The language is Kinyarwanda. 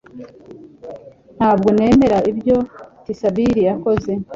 Ntabwo nemera ibyo Tsabiri yakoze